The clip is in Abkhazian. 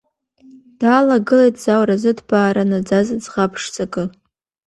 Даалагылеит заура-зыҭбаара наӡаз ӡӷаб ԥшӡакы.